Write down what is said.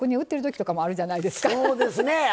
そうですね